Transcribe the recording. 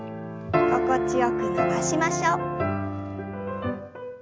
心地よく伸ばしましょう。